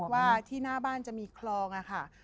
ว่าที่หน้าบ้านจะมีคลองค่ะ